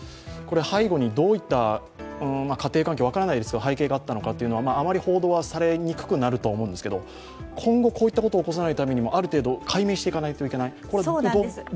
背後にどういった家庭環境があるのか、背景があったのか、報道はされにくくなると思うんですけど、今後、こういったことを起こさないためにもある程度解明していかないといけない。